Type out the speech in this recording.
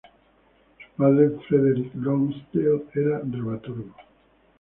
Su padre, Frederick Lonsdale, era dramaturgo.